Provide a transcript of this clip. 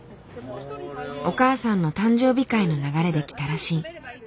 お母さんの誕生日会の流れで来たらしい。